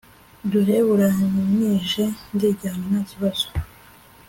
dore buranije ndijyana ntakibazo